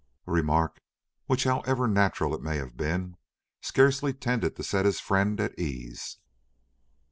—a remark which, however natural it may have been, scarcely tended to set his friend at ease.